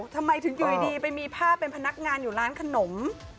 ทำไมถึงอยู่ดีไปมีภาพเป็นพนักงานอยู่ร้านขนม